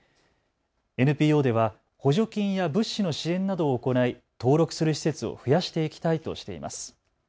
ＮＰＯでは補助金や物資の支援などを行い登録する施設を増やしていきたいとしています。